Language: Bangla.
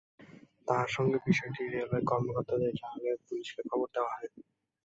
তাঁরা সঙ্গে সঙ্গে বিষয়টি রেলওয়ের কর্মকর্তাদের জানালে পুলিশকে খবর দেওয়া হয়।